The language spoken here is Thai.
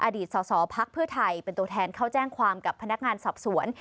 อดีตสอสอพักเพื่อไทยเป็นตัวแทนเข้าแจ้งความกับพนักงานสอบสวน